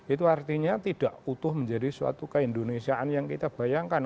itu artinya tidak utuh menjadi suatu keindonesiaan yang kita bayangkan